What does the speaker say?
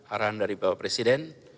arahan dari bapak presiden